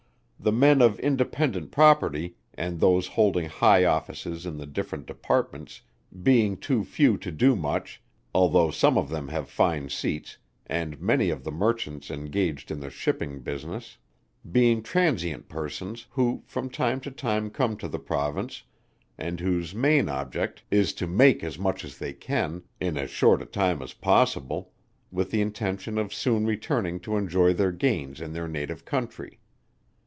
The men of independent property, and those holding high offices in the different departments being too few to do much, although some of them have fine seats, and many of the Merchants engaged in the shipping business, being transient persons, who from time to time come to the Province, and whose main object is to make as much as they can, in as short a time as possible, with the intention of soon returning to enjoy their gains in their native country.